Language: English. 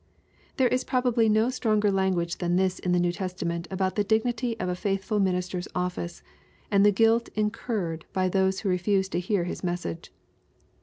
] There is probably no stronger language than this in the New Testament about the dignity of a faithful minister's ofl&ce, and the guilt incurred by those who refuse to hear his message.